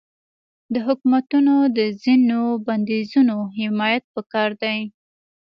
د حکومتونو د ځینو بندیزونو حمایت پکار دی.